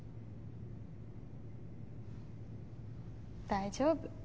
大丈夫。